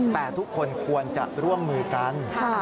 แต่ทุกคนควรจะร่วมมือกัน